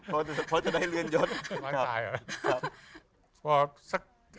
เพราะจะได้เลื่อนยด